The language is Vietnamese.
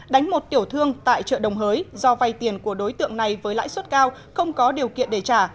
đánh một tiểu thương tại chợ đồng hới do vay tiền của đối tượng này với lãi suất cao không có điều kiện để trả